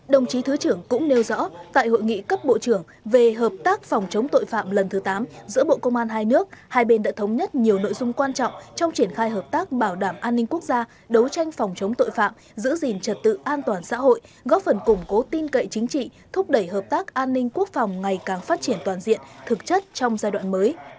đồng chí thứ trưởng cũng nêu rõ tại hội nghị cấp bộ trưởng về hợp tác phòng chống tội phạm lần thứ tám giữa bộ công an hai nước hai bên đã thống nhất nhiều nội dung quan trọng trong triển khai hợp tác bảo đảm an ninh quốc gia đấu tranh phòng chống tội phạm giữ gìn trật tự an toàn xã hội góp phần củng cố tin cậy chính trị thúc đẩy hợp tác an ninh quốc phòng ngày càng phát triển toàn diện thực chất trong giai đoạn mới